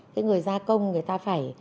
cái người gia công người ta phải